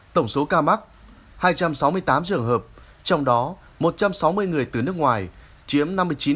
tổng số ca mắc hai trăm sáu mươi tám trường hợp trong đó một trăm sáu mươi người từ nước ngoài chiếm năm mươi chín